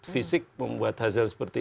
fisik membuat hasil seperti